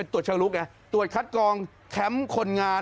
ตรวจชะลุกเนี่ยตรวจคัดกองแคมป์คนงาน